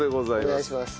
お願いします。